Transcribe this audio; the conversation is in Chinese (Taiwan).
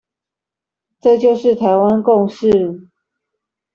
這就是台灣共識